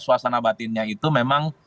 suasana batinnya itu memang